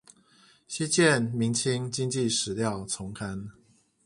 稀見明清經濟史料叢刊